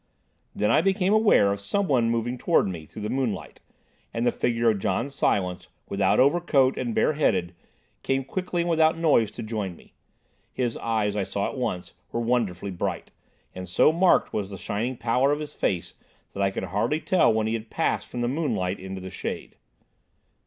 Then I became aware of some one moving towards me through the moonlight, and the figure of John Silence, without overcoat and bareheaded, came quickly and without noise to join me. His eyes, I saw at once, were wonderfully bright, and so marked was the shining pallor of his face that I could hardly tell when he passed from the moonlight into the shade.